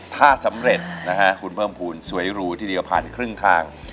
ถ้าสำเร็จนะฮะคุณเพิ่มภูมิสวยรูทีเดียวผ่านครึ่งทาง